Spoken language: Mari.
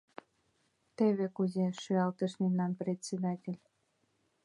— Теве кузе-э! — шӱалтыш мемнан председатель.